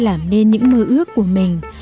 làm nên những mơ ước của mình